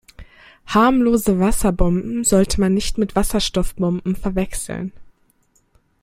Harmlose Wasserbomben sollte man nicht mit Wasserstoffbomben verwechseln.